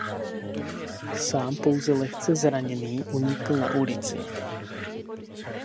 Sám pouze lehce zraněný unikl na ulici.